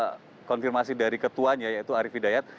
dan kami juga mengenai konfirmasi dari ketuanya yaitu arief hidayat